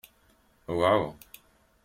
Wɛu.